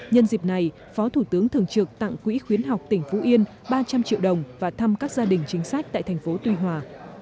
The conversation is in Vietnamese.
nhân dịp này phó thủ tướng thường trực tặng quỹ khuyến học tỉnh phú yên ba trăm linh triệu đồng và thăm các gia đình chính sách tại thành phố tuy hòa